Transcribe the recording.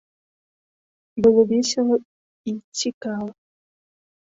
Было весела і цікава.